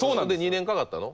２年かかったの？